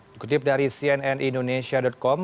dikutip dari cnnindonesia com